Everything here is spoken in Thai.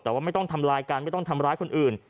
แต่ว่าไม่ต้องทำลายกันไม่ต้องทำร้ายคนอื่น